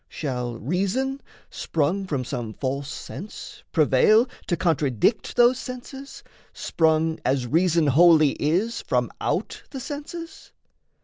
Shall reason, sprung From some false sense, prevail to contradict Those senses, sprung as reason wholly is From out the senses?